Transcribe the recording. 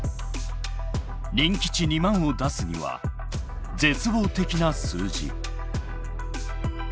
人気値２万を出すには絶望的な数字。